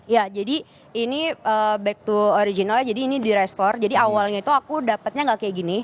ya jadi ini back to original jadi ini di restore jadi awalnya itu aku dapatnya nggak kayak gini